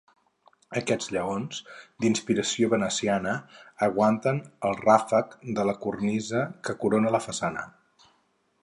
Aquests lleons, d'inspiració veneciana, aguanten el ràfec de la cornisa que corona la façana.